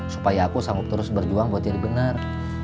supaya aku sanggup terus berjuang buat jadi benar